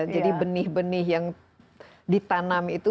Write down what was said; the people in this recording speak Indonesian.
jadi benih benih yang ditanam itu